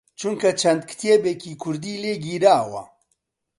چونکە چەند کتێبێکی کوردی لێ گیراوە